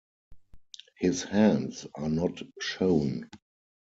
His hands are not shown.